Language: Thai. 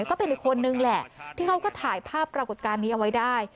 ก็เป็นอีกคนนึงแหละที่เขาก็ถ่ายภาพปรากฏการณ์นี้เอาไว้ได้